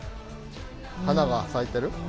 花が咲いてる？